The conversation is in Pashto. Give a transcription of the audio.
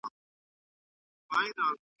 ته مي غېږي ته لوېدلای او په ورو ورو مسېدلای